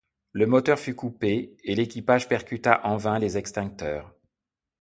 Le moteur fut coupé et l'équipage percuta en vain les extincteurs.